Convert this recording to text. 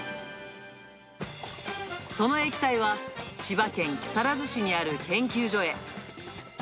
その液体は千葉県木更津市にある研究所へ。